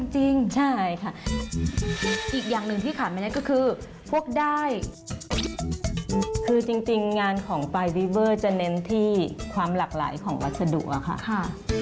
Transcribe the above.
จริงใช่ค่ะอีกอย่างหนึ่งที่ขาดไม่ได้ก็คือพวกด้ายคือจริงงานของปลายวิเวอร์จะเน้นที่ความหลากหลายของวัสดุอะค่ะ